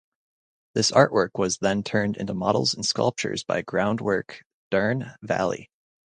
This artwork was then turned into models and sculptures by Groundwork Dearne Valley.